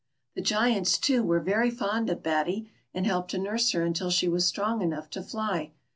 The Giants, too, were very fond of Batty, and helped to nurse her until she was strong enough to fly.